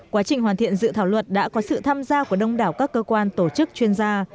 quá trình hoàn thiện dự thảo luật đã có sự tham gia của đông đảo các cơ quan tổ chức chuyên gia